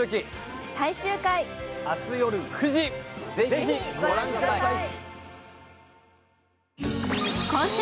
ぜひご覧ください！